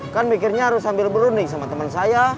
kan mikirnya harus sambil berunding sama teman saya